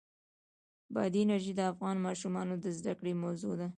بادي انرژي د افغان ماشومانو د زده کړې موضوع ده.